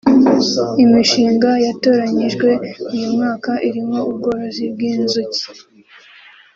Imishinga yatoranyijwe uyu mwaka irimo ubworozi bw’inzuki